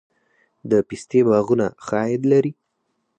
د پستې باغونه ښه عاید لري؟